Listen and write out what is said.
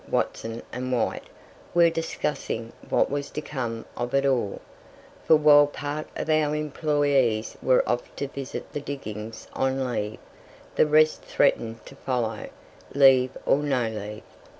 Watson and Wight were discussing what was to come of it all; for while part of our employees were off to visit the diggings on leave, the rest threatened to follow leave or no leave.